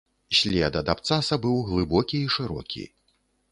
След ад абцаса быў глыбокі і шырокі.